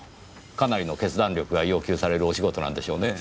かなりの決断力が要求されるお仕事なんでしょうねぇ。